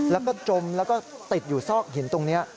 แล้วก็จมแล้วก็ติดอยู่ซอกหินตรงนี้